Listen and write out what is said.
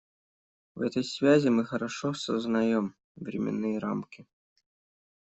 В этой связи мы хорошо сознаем временные рамки.